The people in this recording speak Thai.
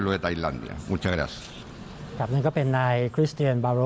ขอบคุณครับ